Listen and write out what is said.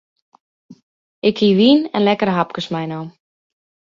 Ik hie wyn en lekkere hapkes meinommen.